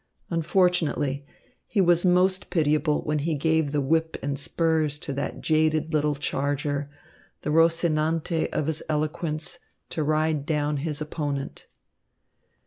Unfortunately, he was most pitiable when he gave the whip and spurs to that jaded little charger, the Rosinante of his eloquence, to ride down his opponent.